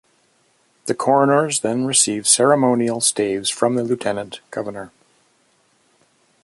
The Coroners then receive ceremonial staves from the Lieutenant Governor.